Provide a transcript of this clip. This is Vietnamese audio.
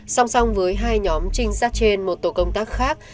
song song với hai nhóm trinh sát trên một tổ công tác khác